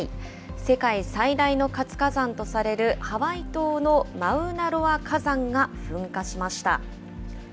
世界最大の活火山とされるハワイ島のマウナロア火山が噴火しました。